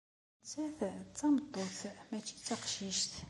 Nettat d tameṭṭut, mačči d taqcict.